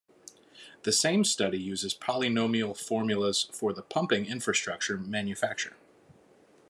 The same study uses polynomial formulas for the pumping infrastructure manufacture.